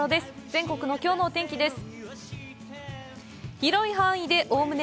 全国のきょうのお天気です。